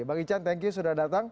bang ican thank you sudah datang